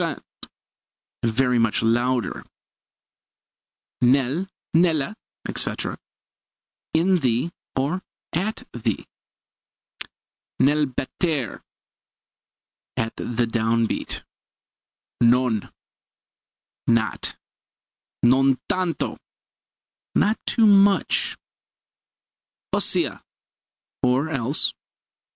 _ very much louder. Nel, nella, etc. in the, or at the. Nel battere at the down beat. Non not. Non tanto not too much. Ossia or else.